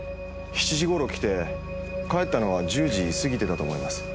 ７時頃来て帰ったのは１０時過ぎてたと思います。